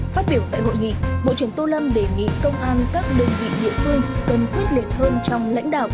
phát biểu tại hội nghị bộ trưởng tô lâm đề nghị công an các đơn vị địa phương cần quyết liệt hơn trong lãnh đạo